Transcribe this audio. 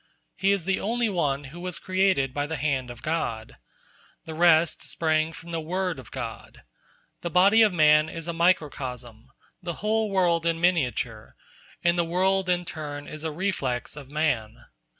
He is the only one who was created by the hand of God. The rest sprang from the word of God. The body of man is a microcosm, the whole world in miniature, and the world in turn is a reflex of man.